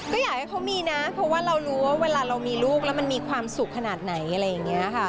ก็อยากให้เขามีนะเพราะว่าเรารู้ว่าเวลาเรามีลูกแล้วมันมีความสุขขนาดไหนอะไรอย่างนี้ค่ะ